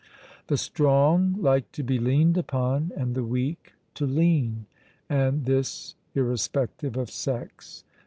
The strong like to be leaned upon and the weak to lean, and this irrespective of sex.